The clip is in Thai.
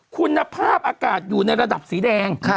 คุณภาพอากาศอยู่ในระดับสีแดง